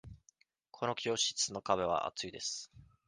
この教室の壁は厚いです。